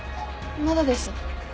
まだです。